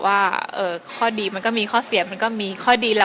ว่าข้อดีมันก็มีข้อเสียมันก็มีข้อดีแหละ